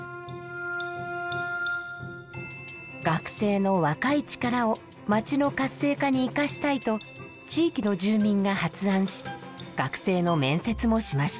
学生の若い力を街の活性化に生かしたいと地域の住民が発案し学生の面接もしました。